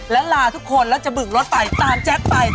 แล้วลาทุกคนแล้วจะบึกรถไปตามแจ๊คไป